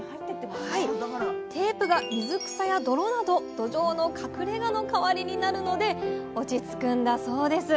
テープが水草や泥などどじょうの隠れがの代わりになるので落ち着くんだそうです